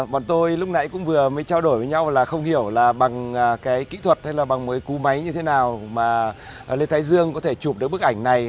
bọn tôi lúc này cũng vừa mới trao đổi với nhau là không hiểu là bằng cái kỹ thuật hay là bằng cú máy như thế nào mà lê thái dương có thể chụp được bức ảnh này